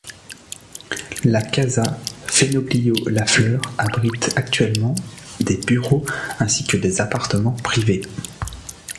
La Casa Fenoglio-Lafleur abrite actuellement des bureaux ainsi que des appartements privés.